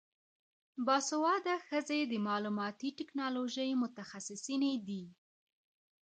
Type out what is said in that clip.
باسواده ښځې د معلوماتي ټیکنالوژۍ متخصصینې دي.